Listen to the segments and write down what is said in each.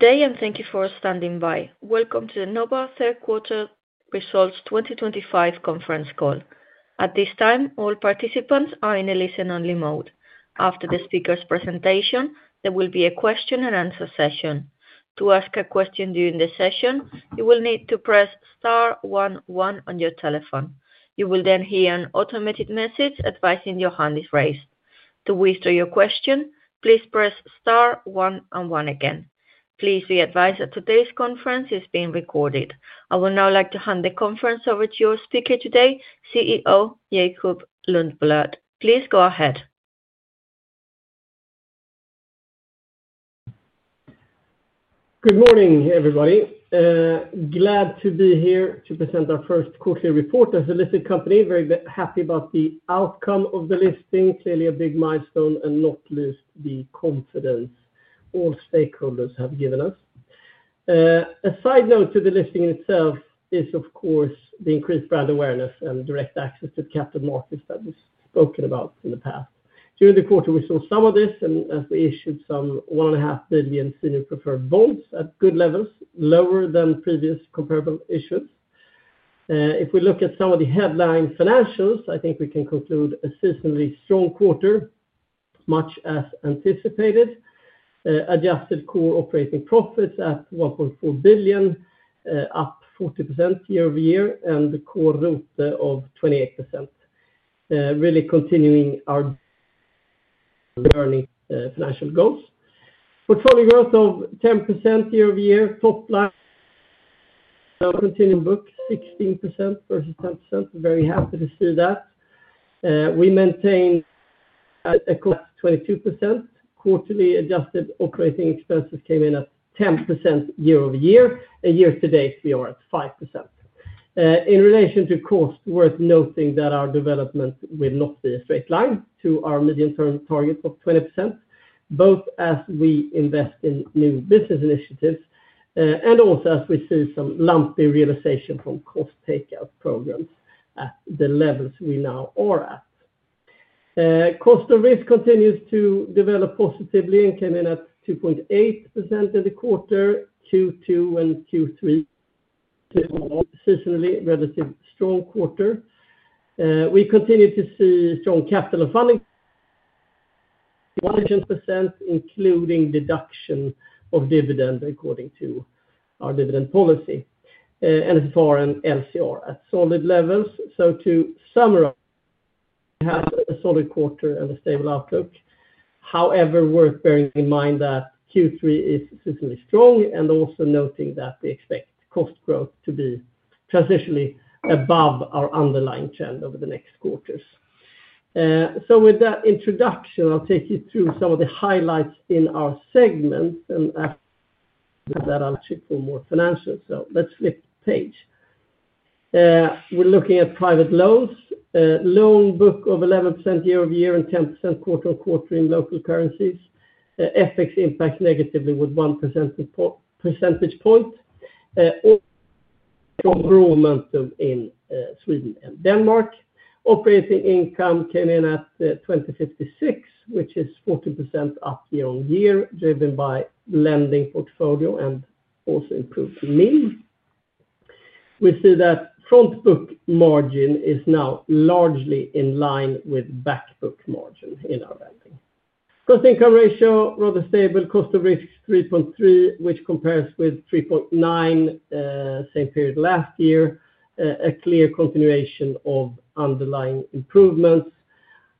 Today, and thank you for standing by. Welcome to the NOBA third quarter results 2025 conference call. At this time, all participants are in a listen-only mode. After the speaker's presentation, there will be a question-and-answer session. To ask a question during the session, you will need to press star one one on your telephone. You will then hear an automated message advising your hand is raised. To withdraw your question, please press star one and one again. Please be advised that today's conference is being recorded. I would now like to hand the conference over to your speaker today, CEO Jakob Lundblad. Please go ahead. Good morning, everybody. Glad to be here to present our first quarterly report as a listed company. Very happy about the outcome of the listing. Clearly, a big milestone and not least the confidence all stakeholders have given us. A side note to the listing itself is, of course, the increased brand awareness and direct access to the capital markets that we've spoken about in the past. During the quarter, we saw some of this, and as we issued some 1.5 billion senior preferred bonds at good levels, lower than previous comparable issues. If we look at some of the headline financials, I think we can conclude a seasonally strong quarter, much as anticipated. Adjusted core operating profits at 1.4 billion, up 40% year-over-year, and the core ROE of 28%. Really continuing our learning financial goals. Portfolio growth of 10% year-over-year. Top line continuing book 16% versus 10%. Very happy to see that. We maintained a cost at 22%. Quarterly adjusted operating expenses came in at 10% year-over-year. And year to date, we are at 5%. In relation to cost, worth noting that our development will not be a straight line to our medium-term target of 20%, both as we invest in new business initiatives and also as we see some lumpy realization from cost takeout programs at the levels we now are at. Cost of risk continues to develop positively and came in at 2.8% in the quarter. Q2 and Q3, seasonally relatively strong quarter. We continue to see strong capital funding, 1% including deduction of dividend according to our dividend policy. So far, LCR at solid levels. To summarize, we have a solid quarter and a stable outlook. However, worth bearing in mind that Q3 is seasonally strong and also noting that we expect cost growth to be transitionally above our underlying trend over the next quarters. With that introduction, I'll take you through some of the highlights in our segment, and after that, I'll check for more financials. Let's flip the page. We're looking at private loans, loan book of 11% year-over-year and 10% quarter-on-quarter in local currencies. FX impact negatively with 1 percentage point. Also growth momentum in Sweden and Denmark. Operating income came in at 2,056 million, which is 14% up year-on-year, driven by lending portfolio and also improved NIM. We see that front book margin is now largely in line with back book margin in our banking. Gross income ratio rather stable. Cost of risk 3.3%, which compares with 3.9% same period last year. A clear continuation of underlying improvements.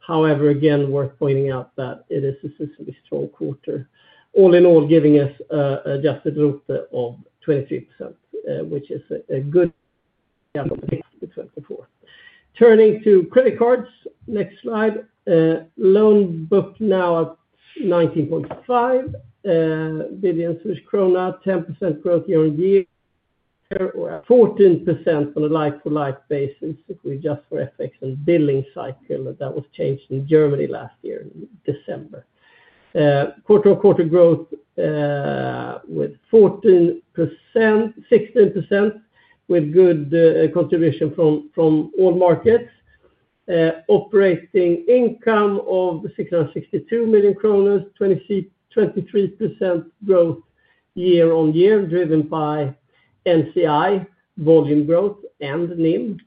However, again, worth pointing out that it is a seasonally strong quarter. All in all, giving us an adjusted ROE of 23%, which is a good 6%-24%. Turning to credit cards, next slide. Loan book now at 19.5 billion krona, 10% growth year-on-year, or 14% on a like-for-like basis if we adjust for FX and billing cycle that was changed in Germany last year in December. Quarter-on-quarter growth was 16%, with good contribution from all markets. Operating income of 662 million kronor, 23% growth year-on-year, driven by NCI volume growth and NIM.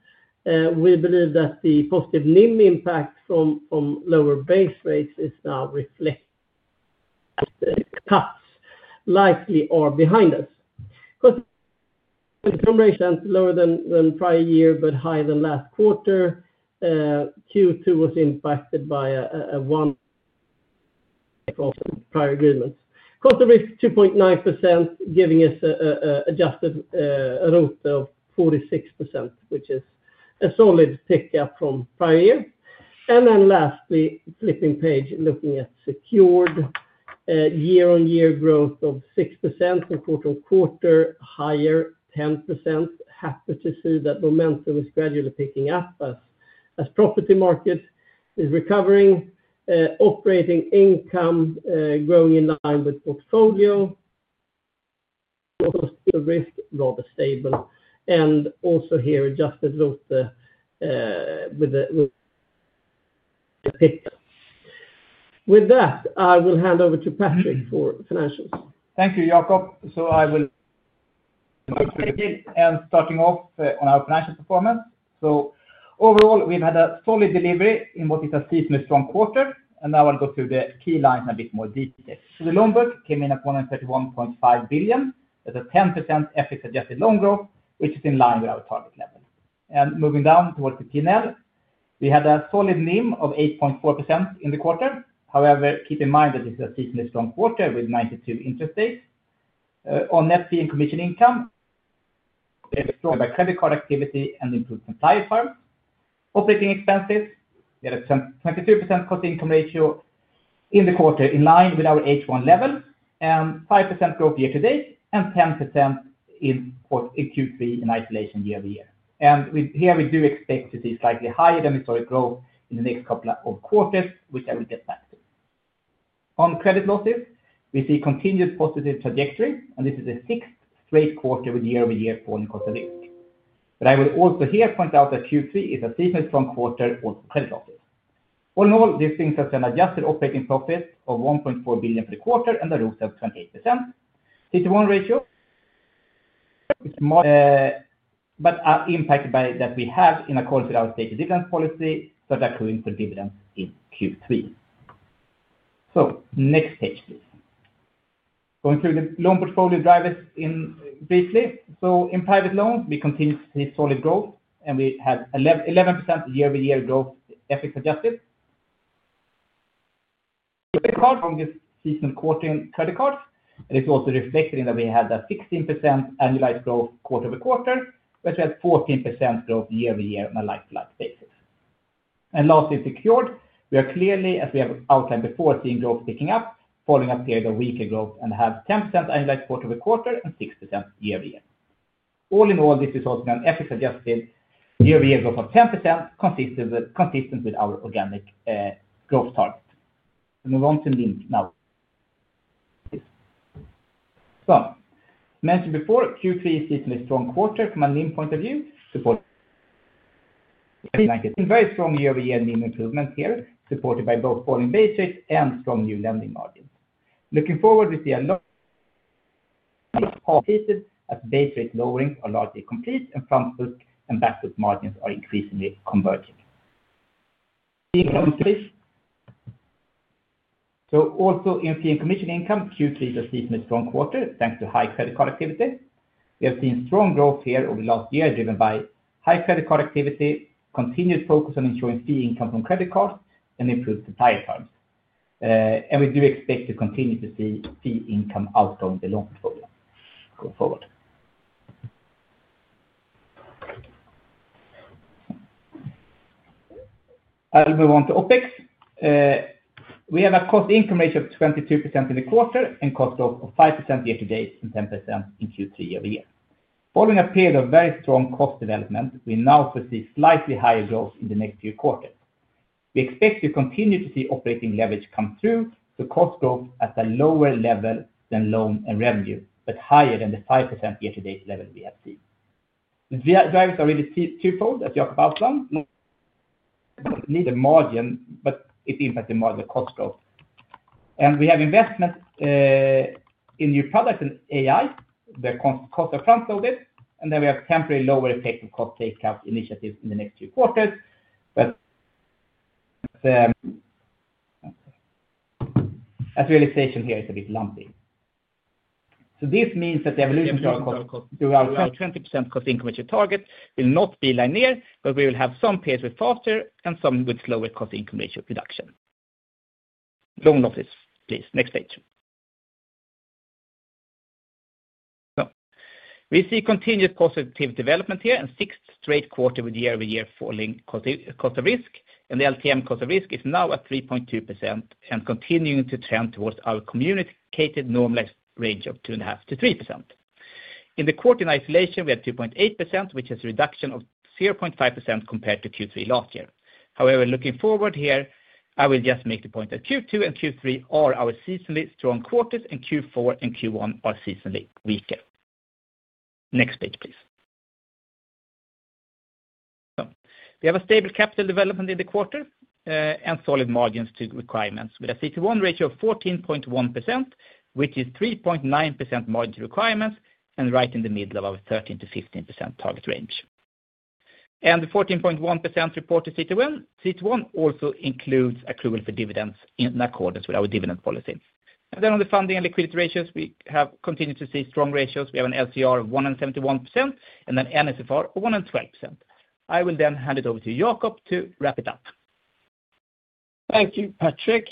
We believe that the positive NIM impact from lower base rates is now reflected as the cuts likely are behind us. Cost-income ratio lower than prior year, but higher than last quarter. Q2 was impacted by a one crossing prior agreements. Cost of risk 2.9%, giving us an adjusted ROE of 46%, which is a solid tick up from prior year. Lastly, flipping page, looking at secured year-on-year growth of 6% from quarter-to-quarter, higher 10%. Happy to see that momentum is gradually picking up as property market is recovering. Operating income growing in line with portfolio. Cost of risk rather stable. Also here, adjusted ROE with a pick. With that, I will hand over to Patrick for financials. Thank you, Jakob. I will begin and starting off on our financial performance. Overall, we've had a solid delivery in what is a seasonally strong quarter. I will go through the key lines in a bit more detail. The loan book came in at 131.5 billion. There is a 10% FX adjusted loan growth, which is in line with our target level. Moving down towards the P&L, we had a solid NIM of 8.4% in the quarter. However, keep in mind that this is a seasonally strong quarter with 92 interest dates. On net fee and commission income, we have a strong credit card activity and improved supply of firms. Operating expenses, we had a 22% cost-income ratio in the quarter in line with our H1 level, and 5% growth year to date, and 10% in quarter in Q3 in isolation year-over-year. Here we do expect to see slightly higher than historic growth in the next couple of quarters, which I will get back to. On credit losses, we see continued positive trajectory, and this is the sixth straight quarter with year-over-year fall in cost of risk. I will also here point out that Q3 is a seasonally strong quarter on credit losses. All in all, these things have an adjusted operating profit of 1.4 billion for the quarter and a ROE of 28%. CET1 ratio is modest, but impacted by that we have in accordance with our stated dividend policy, been accruing for dividends in Q3. Next page, please. Going through the loan portfolio drivers briefly. In private loans, we continue to see solid growth, and we have 11% year-over-year growth FX adjusted. Credit card from this seasonal quarter in credit cards. It is also reflected in that we had a 16% annualized growth quarter over quarter, but we had 14% growth year-over-year on a like-for-like basis. Lastly, in secured, we are clearly, as we have outlined before, seeing growth picking up, following a period of weaker growth, and have 10% annualized quarter over quarter and 6% year-over-year. All in all, this results in an FX adjusted year-over-year growth of 10%, consistent with our organic growth target. Moving on to NIM now. As mentioned before, Q3 is a seasonally strong quarter from a NIM point of view. Supporting very strong year-over-year NIM improvement here, supported by both falling base rates and strong new lending margins. Looking forward, we see a long-term repeat as base rate lowerings are largely complete and front book and back book margins are increasingly converging. Also in fee and commission income, Q3 is a seasonally strong quarter thanks to high credit card activity. We have seen strong growth here over the last year, driven by high credit card activity, continued focus on ensuring fee income from credit cards, and improved supply of firms. We do expect to continue to see fee income outgrowing the loan portfolio going forward. I'll move on to OpEx. We have a cost-income ratio of 22% in the quarter and cost growth of 5% year to date and 10% in Q3 over year. Following a period of very strong cost development, we now foresee slightly higher growth in the next few quarters. We expect to continue to see operating leverage come through, so cost growth at a lower level than loan and revenue, but higher than the 5% year to date level we have seen. Drivers are really twofold, as Jakob outlined. Need a margin, but it is impacting more the cost growth. We have investment in new products and AI, where costs are front-loaded. We have temporary lower effective cost takeout initiatives in the next few quarters. As realization here is a bit lumpy, this means that the evolution through our 20% cost-income ratio target will not be linear. We will have some periods with faster and some with slower cost-income ratio reduction. Loan losses, please. Next page. We see continued positive development here, and sixth straight quarter with year-over-year falling cost of risk. The LTM cost of risk is now at 3.2% and continuing to trend towards our communicated normalized range of 2.5%-3%. In the quarter in isolation, we had 2.8%, which is a reduction of 0.5% compared to Q3 last year. However, looking forward here, I will just make the point that Q2 and Q3 are our seasonally strong quarters, and Q4 and Q1 are seasonally weaker. Next page, please. We have a stable capital development in the quarter and solid margins to requirements. We have a CET1 ratio of 14.1%, which is a 3.9% margin to requirements, and right in the middle of our 13%-15% target range. The 14.1% reported CET1 also includes accrual for dividends in accordance with our dividend policy. On the funding and liquidity ratios, we have continued to see strong ratios. We have an LCR of 171% and an NSFR of 112%. I will then hand it over to Jakob to wrap it up. Thank you, Patrick.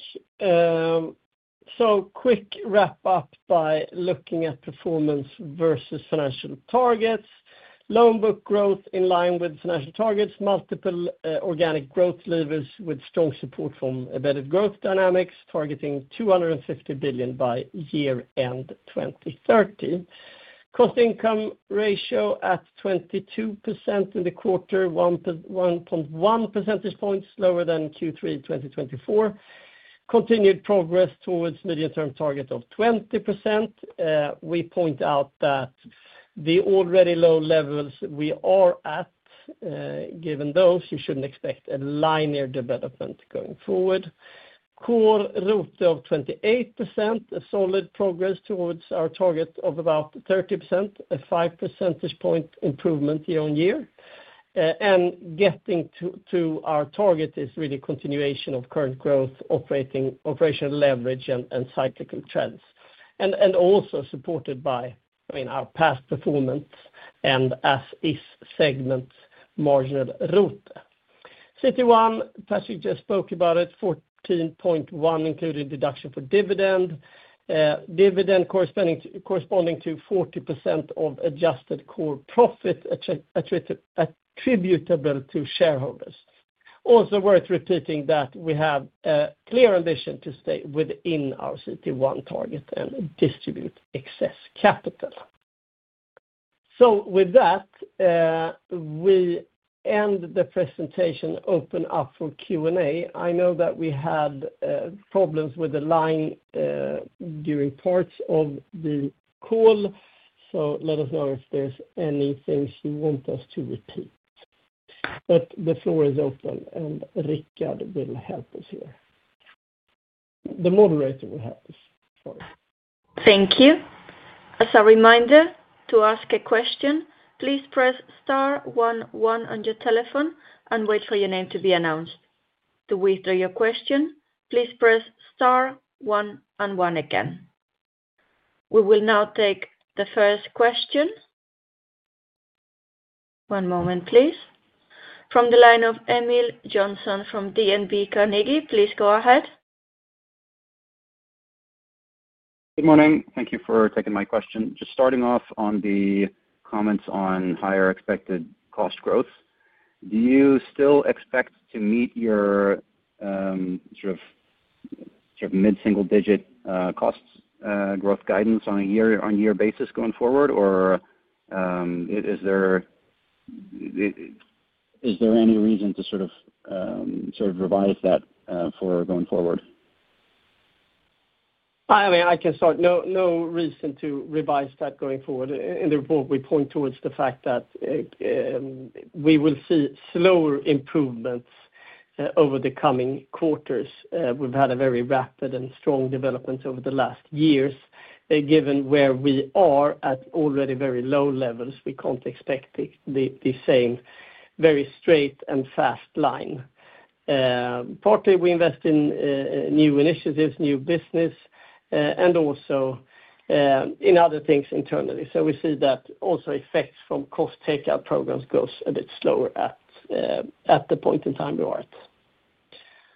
Quick wrap up by looking at performance versus financial targets. Loan book growth in line with financial targets. Multiple organic growth levers with strong support from embedded growth dynamics, targeting 250 billion by year-end 2030. Cost-income ratio at 22% in the quarter, 1.1 percentage points lower than Q3 2024. Continued progress towards medium-term target of 20%. We point out that the already low levels we are at, given those, you should not expect a linear development going forward. Core ROE of 28%, solid progress towards our target of about 30%, a 5 percentage point improvement year-on-year. Getting to our target is really continuation of current growth, operational leverage, and cyclical trends. Also supported by our past performance and as-is segment marginal ROE. CET1, Patrick just spoke about it, 14.1% including deduction for dividend. Dividend corresponding to 40% of adjusted core profit attributable to shareholders. Also worth repeating that we have a clear ambition to stay within our CET1 target and distribute excess capital. With that, we end the presentation, open up for Q&A. I know that we had problems with the line during parts of the call, so let us know if there is anything you want us to repeat. The floor is open, and Richard will help us here. The moderator will help us. Thank you. As a reminder, to ask a question, please press star one one on your telephone and wait for your name to be announced. To withdraw your question, please press star one and one again. We will now take the first question. One moment, please. From the line of Emil Jonsson from DNB Carnegie, please go ahead. Good morning. Thank you for taking my question. Just starting off on the comments on higher expected cost growth. Do you still expect to meet your sort of mid-single-digit cost growth guidance on a year-on-year basis going forward, or is there any reason to sort of revise that for going forward? I mean, I can start, no reason to revise that going forward. In the report, we point towards the fact that we will see slower improvements over the coming quarters. We've had a very rapid and strong development over the last years. Given where we are at, already very low levels, we can't expect the same very straight and fast line. Partly, we invest in new initiatives, new business, and also in other things internally. We see that also effects from cost takeout programs go a bit slower at the point in time we are at.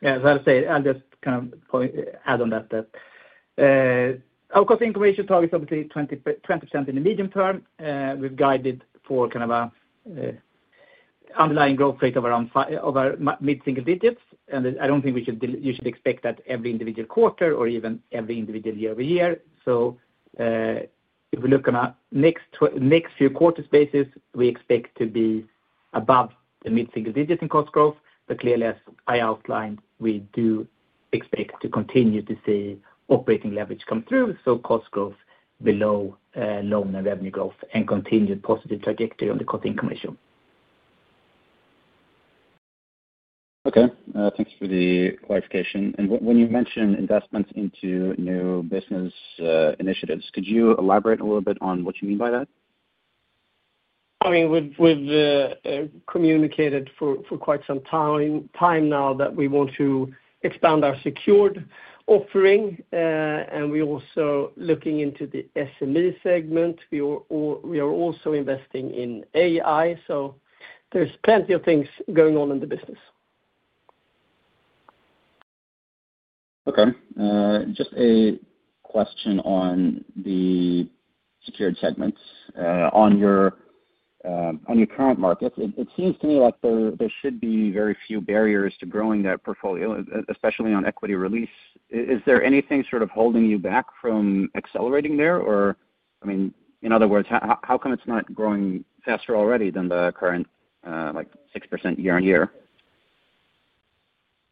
Yeah, as I was going to say, I'll just kind of add on that. Our cost-income ratio target is obviously 20% in the medium term. We've guided for kind of an underlying growth rate of around mid-single digits. I don't think you should expect that every individual quarter or even every individual year-over-year. If we look on a next few quarter basis, we expect to be above the mid-single digit in cost growth. Clearly, as I outlined, we do expect to continue to see operating leverage come through. Cost growth below loan and revenue growth and continued positive trajectory on the cost-income ratio. Okay. Thanks for the clarification. When you mentioned investments into new business initiatives, could you elaborate a little bit on what you mean by that? I mean, we've communicated for quite some time now that we want to expand our secured offering. We are also looking into the SME segment. We are also investing in AI. There are plenty of things going on in the business. Okay. Just a question on the secured segments. On your current markets, it seems to me like there should be very few barriers to growing that portfolio, especially on equity release. Is there anything sort of holding you back from accelerating there? I mean, in other words, how come it is not growing faster already than the current 6% year-on-year?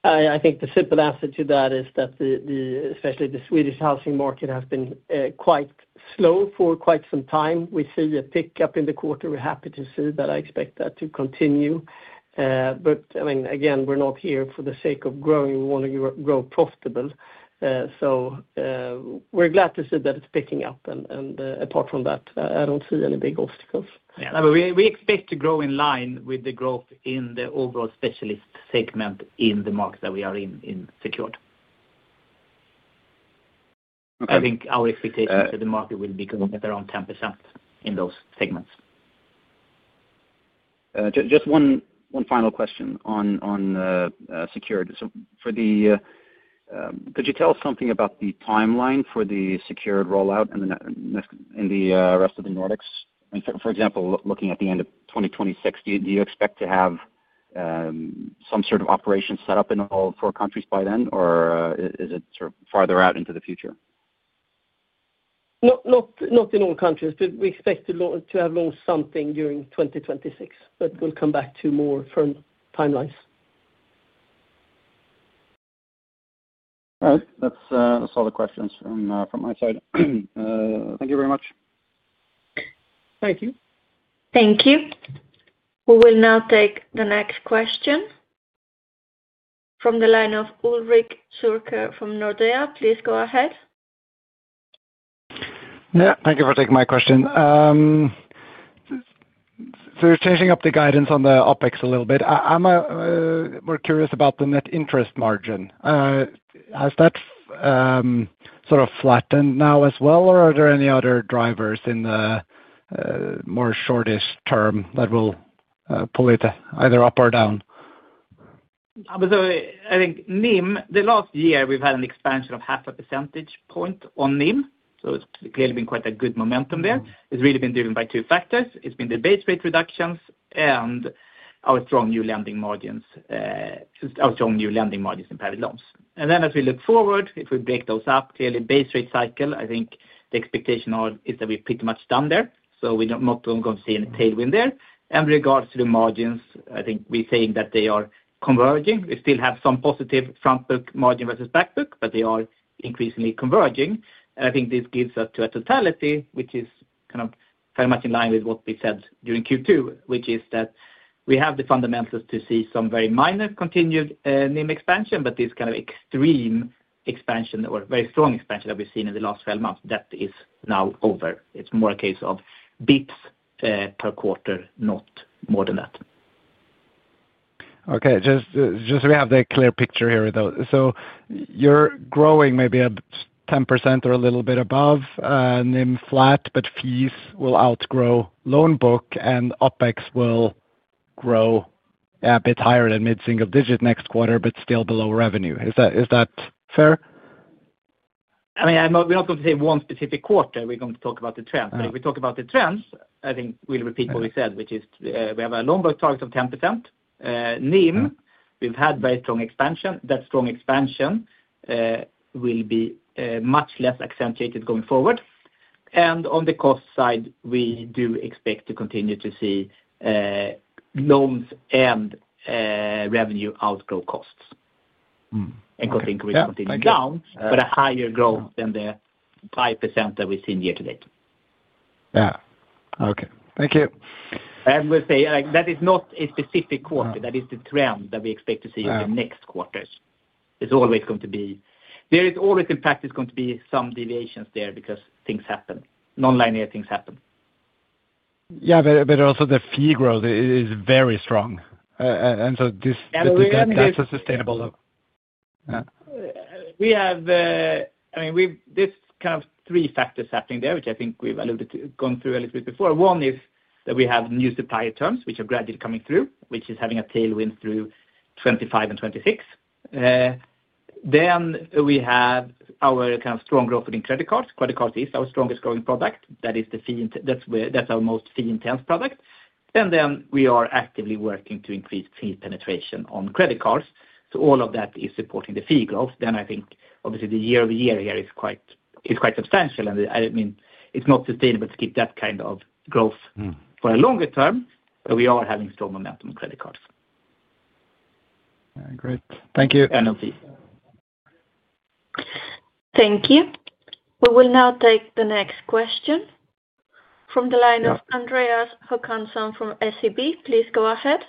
I think the simple answer to that is that especially the Swedish housing market has been quite slow for quite some time. We see a pick up in the quarter. We're happy to see that. I expect that to continue. I mean, again, we're not here for the sake of growing. We want to grow profitable. So we're glad to see that it's picking up. And apart from that, I don't see any big obstacles. Yeah. We expect to grow in line with the growth in the overall specialist segment in the market that we are in, in secured. I think our expectation for the market will be going at around 10% in those segments. Just one final question on secured. Could you tell us something about the timeline for the secured rollout in the rest of the Nordics? For example, looking at the end of 2026, do you expect to have some sort of operation set up in all four countries by then, or is it sort of farther out into the future? Not in all countries. We expect to have launched something during 2026, but we'll come back to more firm timelines. All right. That's all the questions from my side. Thank you very much. Thank you. Thank you. We will now take the next question from the line of Ulrik Zürcher from Nordea. Please go ahead. Yeah. Thank you for taking my question. Changing up the guidance on the OpEx a little bit, I'm more curious about the net interest margin. Has that sort of flattened now as well, or are there any other drivers in the more short-ish term that will pull it either up or down? I think NIM, the last year, we've had an expansion of half a percentage point on NIM. It's clearly been quite a good momentum there. It's really been driven by two factors. It's been the base rate reductions and our strong new lending margins in private loans. As we look forward, if we break those up, clearly, base rate cycle, I think the expectation is that we're pretty much done there. We're not going to see any tailwind there. In regards to the margins, I think we're saying that they are converging. We still have some positive front book margin versus back book, but they are increasingly converging. I think this gives us to a totality, which is kind of very much in line with what we said during Q2, which is that we have the fundamentals to see some very minor continued NIM expansion, but this kind of extreme expansion or very strong expansion that we've seen in the last 12 months, that is now over. It's more a case of basis points per quarter, not more than that. Okay. Just so we have the clear picture here, though. So you're growing maybe 10% or a little bit above, NIM flat, but fees will outgrow loan book and OpEx will grow a bit higher than mid-single digit next quarter, but still below revenue. Is that fair? I mean, we're not going to say one specific quarter. We're going to talk about the trends. If we talk about the trends, I think we'll repeat what we said, which is we have a loan book target of 10%. NIM, we've had very strong expansion. That strong expansion will be much less accentuated going forward. On the cost side, we do expect to continue to see loans and revenue outgrow costs. Cost increase continues to go down, but a higher growth than the 5% that we've seen year to date. Yeah. Okay. Thank you. I will say that is not a specific quarter. That is the trend that we expect to see in the next quarters. It's always going to be, there is always in practice going to be some deviations there because things happen. Non-linear things happen. Yeah. Also, the fee growth is very strong. And so that's sustainable. I mean, there's kind of three factors happening there, which I think we've gone through a little bit before. One is that we have new supplier terms, which are gradually coming through, which is having a tailwind through 2025 and 2026. Then we have our kind of strong growth within credit cards. Credit cards is our strongest growing product. That is the fee, that's our most fee-intense product. I mean, we are actively working to increase fee penetration on credit cards. All of that is supporting the fee growth. I think, obviously, the year-over-year here is quite substantial. I mean, it's not sustainable to keep that kind of growth for a longer term, but we are having strong momentum on credit cards. Great. Thank you. On fees. Thank you. We will now take the next question from the line of Andreas Håkansson from SEB. Please go ahead.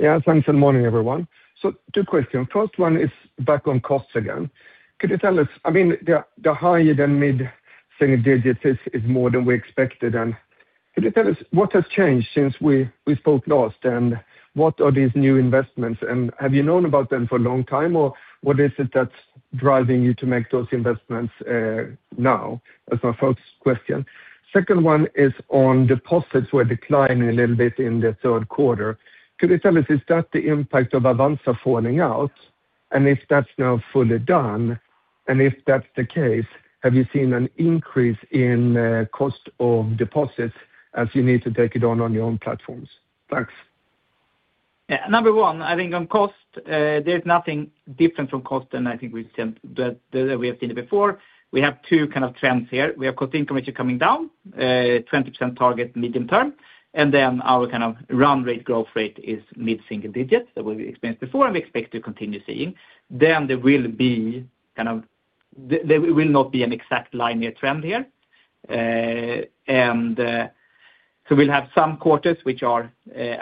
Yeah. Thanks and good morning, everyone. Two questions. First one is back on costs again. Could you tell us, I mean, the higher than mid-single digit is more than we expected. Could you tell us what has changed since we spoke last, and what are these new investments, and have you known about them for a long time, or what is it that is driving you to make those investments now? That is my first question. Second one is on deposits were declining a little bit in the third quarter. Could you tell us, is that the impact of Avanza falling out? If that is now fully done, and if that is the case, have you seen an increase in cost of deposits as you need to take it on on your own platforms? Thanks. Yeah. Number one, I think on cost, there is nothing different from cost than I think we have seen before. We have two kind of trends here. We have cost-income ratio coming down, 20% target medium term. And then our kind of run rate growth rate is mid-single digit that we have experienced before, and we expect to continue seeing. There will not be an exact linear trend here. We will have some quarters which are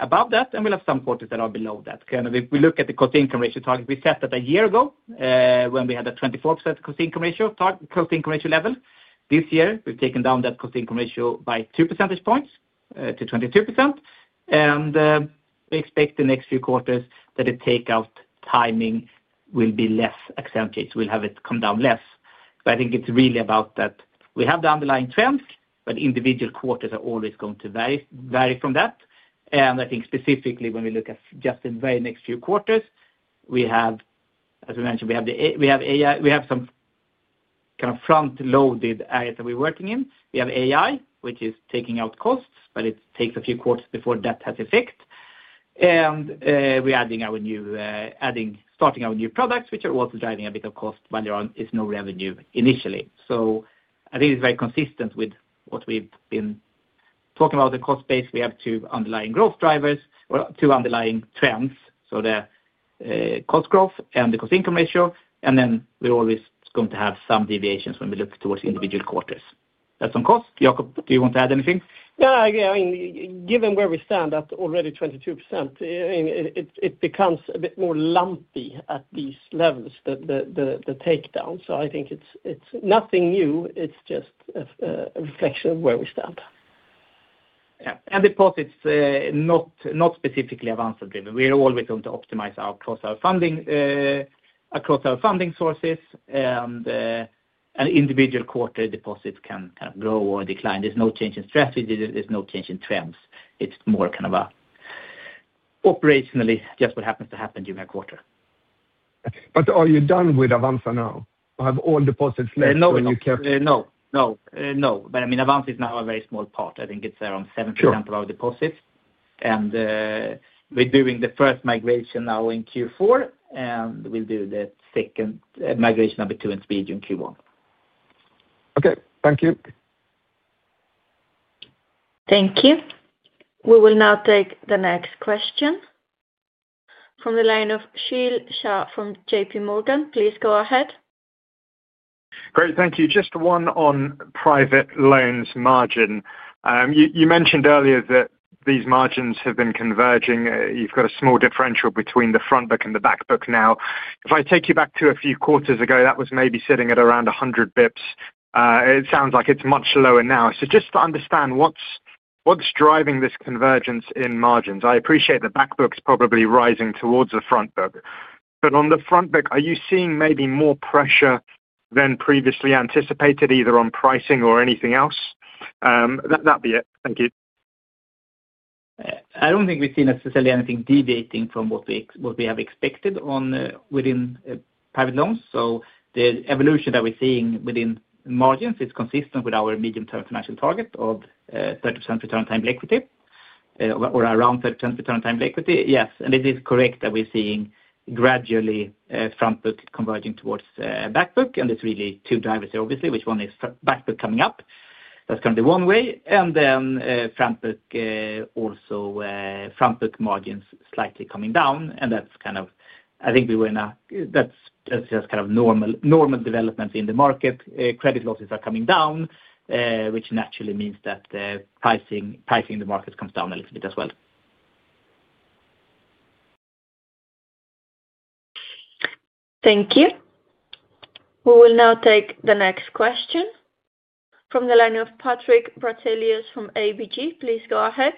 above that, and we will have some quarters that are below that. If we look at the cost-income ratio target, we set that a year ago when we had a 24% cost-income ratio level. This year, we have taken down that cost-income ratio by 2 percentage points to 22%. We expect the next few quarters that the takeout timing will be less accentuated. We'll have it come down less. I think it's really about that. We have the underlying trends, but individual quarters are always going to vary from that. I think specifically when we look at just in the very next few quarters, we have, as we mentioned, some kind of front-loaded areas that we're working in. We have AI, which is taking out costs, but it takes a few quarters before that has effect. We're adding our new, starting our new products, which are also driving a bit of cost when there is no revenue initially. I think it's very consistent with what we've been talking about, the cost base. We have two underlying growth drivers or two underlying trends: the cost growth and the cost income ratio. We're always going to have some deviations when we look towards individual quarters. That's on cost. Jacob, do you want to add anything? Yeah. I mean, given where we stand at already 22%, it becomes a bit more lumpy at these levels, the takedown. I think it's nothing new. It's just a reflection of where we stand. Yeah. Deposits not specifically Avanza-driven. We're always going to optimize across our funding sources. Individual quarter deposits can kind of grow or decline. There's no change in strategy. There's no change in trends. It's more kind of operationally just what happens to happen during a quarter. Are you done with Avanza now? I have all deposits left when you kept. No. No. Avanza is now a very small part. I think it's around 7% of our deposits. I mean, we're doing the first migration now in Q4, and we'll do the second migration number two in Q1. Okay. Thank you. Thank you. We will now take the next question from the line of Shil Shah from JP Morgan. Please go ahead. Great. Thank you. Just one on private loans margin. You mentioned earlier that these margins have been converging. You have got a small differential between the front book and the back book now. If I take you back to a few quarters ago, that was maybe sitting at around 100 basis points. It sounds like it is much lower now. Just to understand what is driving this convergence in margins. I appreciate the back book is probably rising towards the front book. On the front book, are you seeing maybe more pressure than previously anticipated, either on pricing or anything else? That would be it. Thank you. I do not think we have seen necessarily anything deviating from what we have expected within private loans. The evolution that we are seeing within margins is consistent with our medium-term financial target of 30% return on timely equity or around 30% return on timely equity. Yes. It is correct that we are seeing gradually front book converging towards back book. There are really two drivers here, obviously, which one is back book coming up. That is kind of the one way. Then front book also, front book margins slightly coming down. That is kind of, I think we were in a, that is just kind of normal developments in the market. Credit losses are coming down, which naturally means that pricing in the markets comes down a little bit as well. Thank you. We will now take the next question from the line of Patrick Bertelius from ABG. Please go ahead.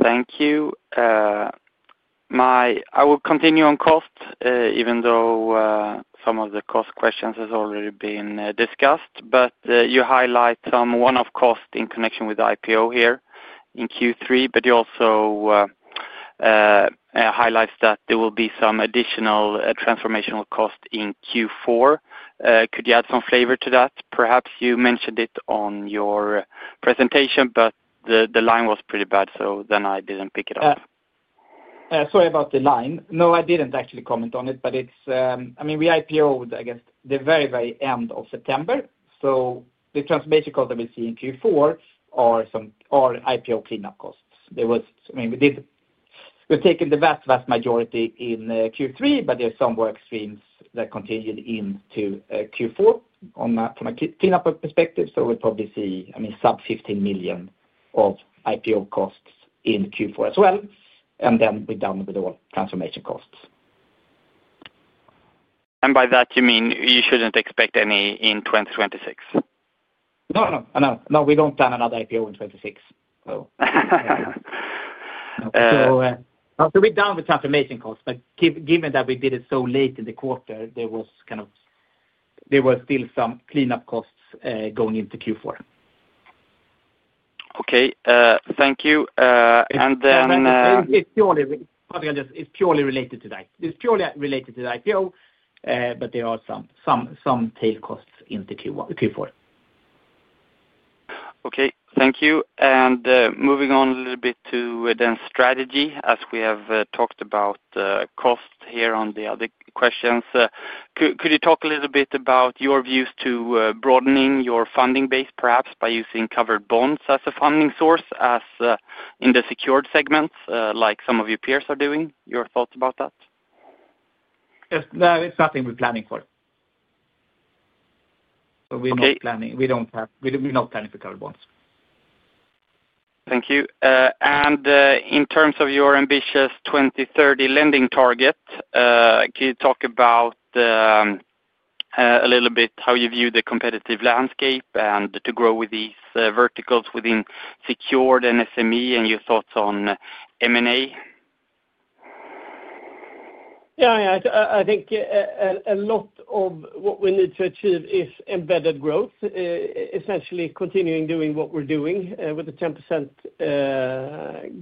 Thank you. I will continue on cost, even though some of the cost questions have already been discussed. You highlight one of cost in connection with IPO here in Q3, but you also highlight that there will be some additional transformational cost in Q4. Could you add some flavor to that? Perhaps you mentioned it on your presentation, but the line was pretty bad, so I did not pick it up. Yeah. Sorry about the line. No, I did not actually comment on it, but it is, I mean, we IPOed, I guess, the very, very end of September. The transformation cost that we see in Q4 are IPO cleanup costs. I mean, we have taken the vast, vast majority in Q3, but there are some work streams that continued into Q4 from a cleanup perspective. We will probably see, I mean, sub 15 million of IPO costs in Q4 as well. Then we are done with all transformation costs. By that, you mean you shouldn't expect any in 2026? No, no. No, we do not plan another IPO in 2026. We are done with transformation costs. Given that we did it so late in the quarter, there were still some cleanup costs going into Q4. Okay. Thank you. Then. It's purely related to that. It's purely related to the IPO, but there are some tail costs into Q4. Okay. Thank you. Moving on a little bit to strategy, as we have talked about cost here on the other questions. Could you talk a little bit about your views to broadening your funding base, perhaps by using covered bonds as a funding source in the secured segments, like some of your peers are doing? Your thoughts about that? No, it's nothing we're planning for. We're not planning for covered bonds. Thank you. In terms of your ambitious 2030 lending target, could you talk about a little bit how you view the competitive landscape and to grow with these verticals within secured and SME and your thoughts on M&A? Yeah. I mean, I think a lot of what we need to achieve is embedded growth, essentially continuing doing what we're doing. With the 10%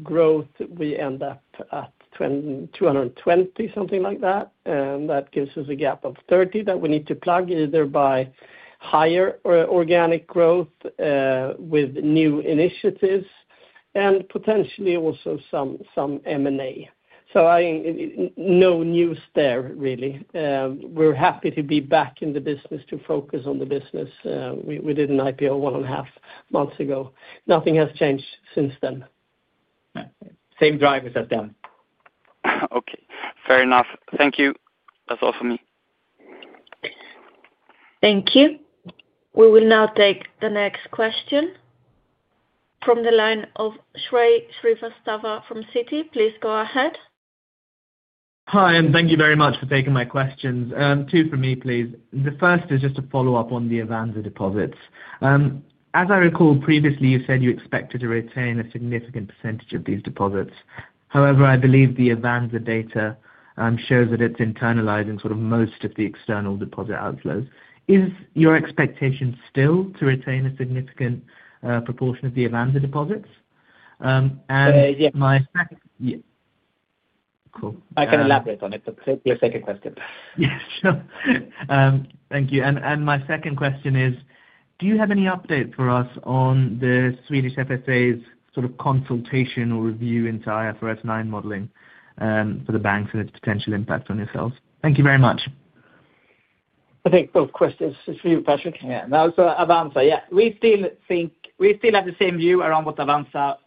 growth, we end up at 220, something like that. That gives us a gap of 30 that we need to plug either by higher organic growth with new initiatives and potentially also some M&A. No news there, really. We're happy to be back in the business to focus on the business. We did an IPO 1.5 months ago. Nothing has changed since then. Same drivers as them. Okay. Fair enough. Thank you. That's all for me. Thank you. We will now take the next question from the line of Shrey Srivastava from Citi. Please go ahead. Hi, and thank you very much for taking my questions. Two for me, please. The first is just a follow-up on the Avanza deposits. As I recall, previously, you said you expected to retain a significant percentage of these deposits. However, I believe the Avanza data shows that it's internalizing sort of most of the external deposit outflows. Is your expectation still to retain a significant proportion of the Avanza deposits? And my second. I can elaborate on it. Please take the second question. Yeah. Sure. Thank you. My second question is, do you have any updates for us on the Swedish FSA's sort of consultation or review into IFRS 9 modeling for the banks and its potential impact on yourselves? Thank you very much. I think both questions are for you, Patrick. Yeah. Avanza, yeah. We still have the same view around what Avanza,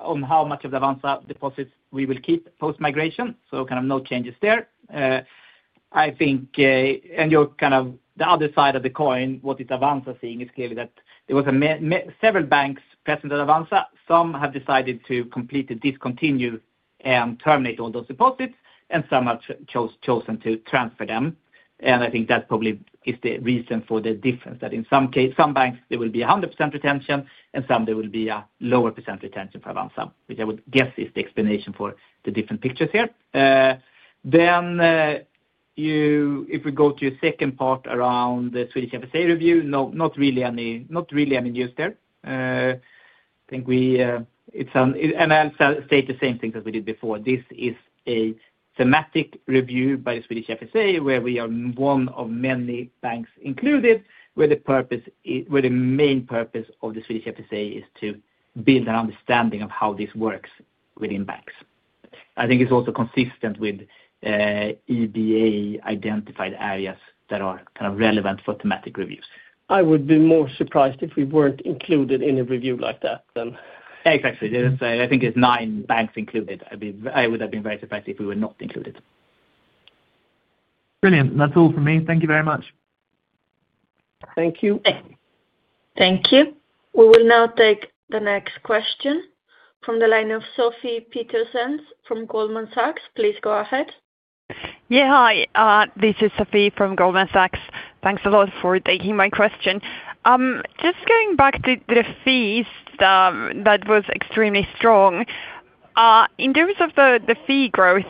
on how much of the Avanza deposits we will keep post-migration. Kind of no changes there. I think, and you're kind of the other side of the coin, what Avanza is seeing is clearly that there were several banks present at Avanza. Some have decided to completely discontinue and terminate all those deposits, and some have chosen to transfer them. I think that probably is the reason for the difference, that in some banks, there will be a 100% retention, and some there will be a lower percentage retention for Avanza, which I would guess is the explanation for the different pictures here. If we go to your second part around the Swedish FSA review, not really any news there. I think we, and I'll state the same thing that we did before. This is a thematic review by the Swedish FSA where we are one of many banks included, where the main purpose of the Swedish FSA is to build an understanding of how this works within banks. I think it's also consistent with EBA-identified areas that are kind of relevant for thematic reviews. I would be more surprised if we were not included in a review like that than. Exactly. I think there's nine banks included. I would have been very surprised if we were not included. Brilliant. That's all for me. Thank you very much. Thank you. Thank you. We will now take the next question from the line of Sofie Peterzens from Goldman Sachs. Please go ahead. Yeah. Hi. This is Sofie from Goldman Sachs. Thanks a lot for taking my question. Just going back to the fees, that was extremely strong. In terms of the fee growth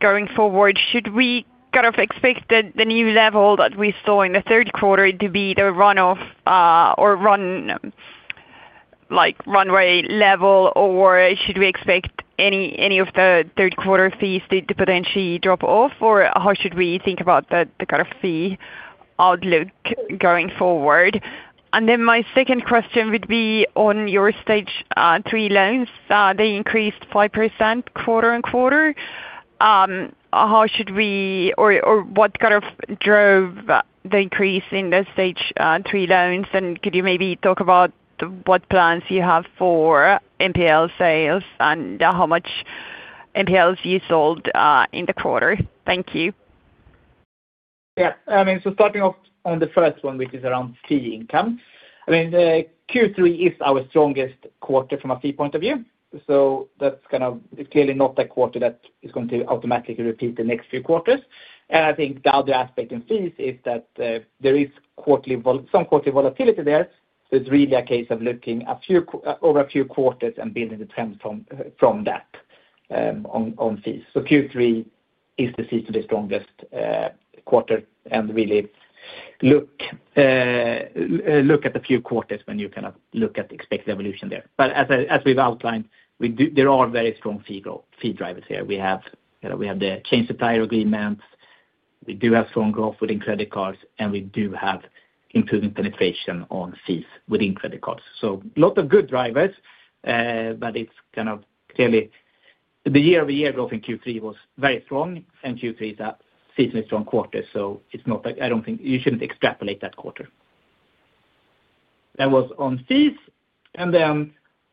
going forward, should we kind of expect the new level that we saw in the third quarter to be the runoff or runway level, or should we expect any of the third-quarter fees to potentially drop off, or how should we think about the kind of fee outlook going forward? My second question would be on your stage three loans. They increased 5% quarter-on-quarter. How should we or what kind of drove the increase in the stage three loans? Could you maybe talk about what plans you have for MPL sales and how much MPLs you sold in the quarter? Thank you. Yeah. I mean, starting off on the first one, which is around fee income, I mean, Q3 is our strongest quarter from a fee point of view. That is, it is clearly not a quarter that is going to automatically repeat the next few quarters. I think the other aspect in fees is that there is some quarterly volatility there. It is really a case of looking over a few quarters and building the trend from that on fees. Q3 is the strongest quarter for fees, and really look at the few quarters when you look at expected evolution there. As we have outlined, there are very strong fee drivers here. We have the change supplier agreements. We do have strong growth within credit cards, and we do have improving penetration on fees within credit cards. A lot of good drivers, but it's kind of clearly the year-over-year growth in Q3 was very strong, and Q3 is a seasonally strong quarter. It's not like I don't think you shouldn't extrapolate that quarter. That was on fees.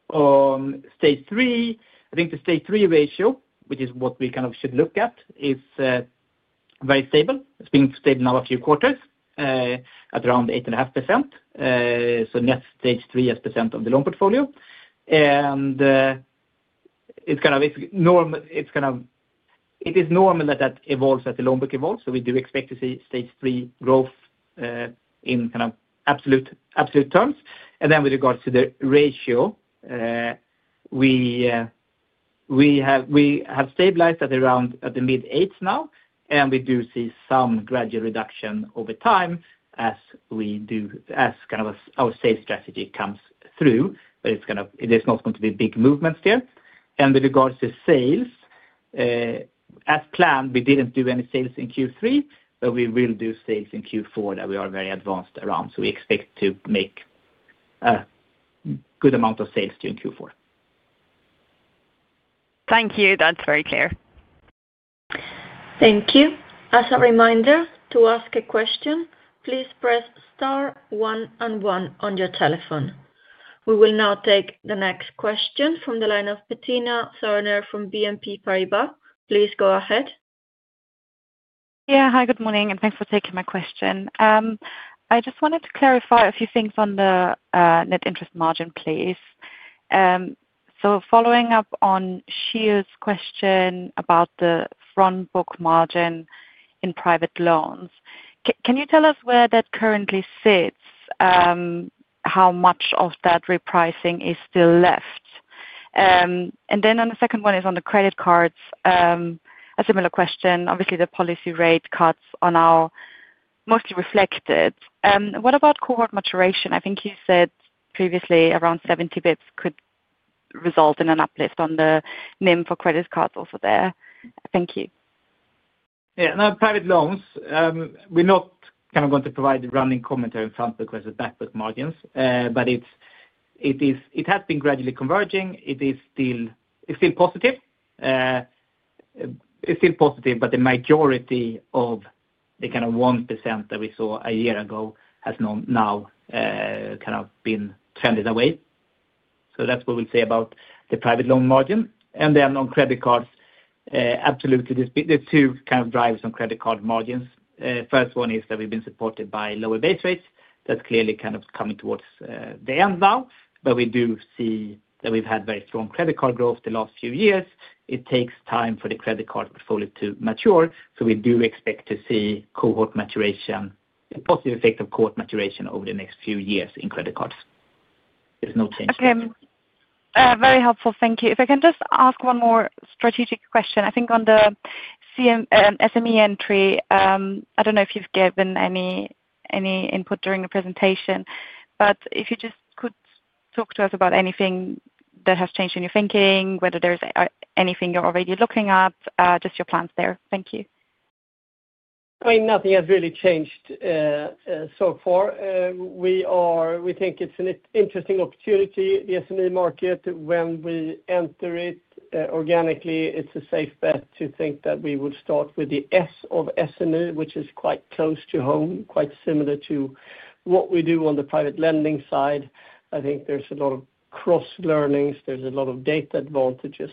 On stage three, I think the stage three ratio, which is what we kind of should look at, is very stable. It's been stable now a few quarters at around 8.5%. Net stage three as percent of the loan portfolio. It is normal that that evolves as the loan book evolves. We do expect to see stage three growth in absolute terms. With regards to the ratio, we have stabilized at around the mid-8s now, and we do see some gradual reduction over time as our sales strategy comes through. There are not going to be big movements there. With regards to sales, as planned, we did not do any sales in Q3, but we will do sales in Q4 that we are very advanced around. We expect to make a good amount of sales during Q4. Thank you. That's very clear. Thank you. As a reminder to ask a question, please press star one and one on your telephone. We will now take the next question from the line of Bettina Thurner from BNP Paribas. Please go ahead. Yeah. Hi, good morning, and thanks for taking my question. I just wanted to clarify a few things on the net interest margin, please. Following up on Shreya's question about the front book margin in private loans, can you tell us where that currently sits, how much of that repricing is still left? The second one is on the credit cards, a similar question. Obviously, the policy rate cuts are now mostly reflected. What about cohort maturation? I think you said previously around 70 basis points could result in an uplift on the NIM for credit cards also there. Thank you. Yeah. Now, private loans, we're not kind of going to provide running commentary in front book as a back book margins, but it has been gradually converging. It's still positive. It's still positive, but the majority of the kind of 1% that we saw a year ago has now kind of been trended away. That is what we'll say about the private loan margin. On credit cards, absolutely, there are two kind of drivers on credit card margins. First one is that we've been supported by lower base rates. That is clearly kind of coming towards the end now. We do see that we've had very strong credit card growth the last few years. It takes time for the credit card portfolio to mature. We do expect to see cohort maturation, a positive effect of cohort maturation over the next few years in credit cards. There is no change there. Okay. Very helpful. Thank you. If I can just ask one more strategic question. I think on the SME entry, I do not know if you have given any input during the presentation, but if you just could talk to us about anything that has changed in your thinking, whether there is anything you are already looking at, just your plans there. Thank you. I mean, nothing has really changed so far. We think it's an interesting opportunity, the SME market. When we enter it organically, it's a safe bet to think that we would start with the S of SME, which is quite close to home, quite similar to what we do on the private lending side. I think there's a lot of cross-learnings. There's a lot of data advantages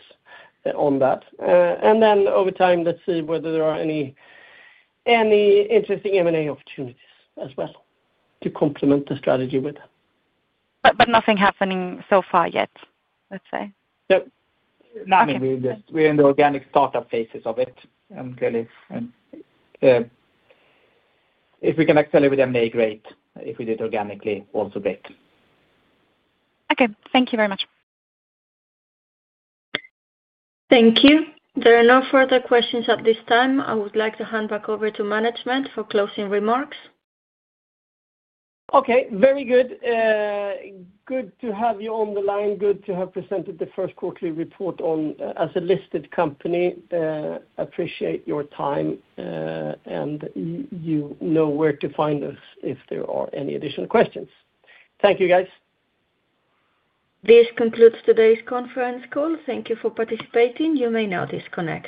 on that. And then over time, let's see whether there are any interesting M&A opportunities as well to complement the strategy with. Nothing happening so far yet, let's say. Yep. Nothing. We're in the organic startup phases of it. If we can accelerate with M&A, great. If we did organically, also great. Okay. Thank you very much. Thank you. There are no further questions at this time. I would like to hand back over to management for closing remarks. Okay. Very good. Good to have you on the line. Good to have presented the first quarterly report as a listed company. I appreciate your time, and you know where to find us if there are any additional questions. Thank you, guys. This concludes today's conference call. Thank you for participating. You may now disconnect.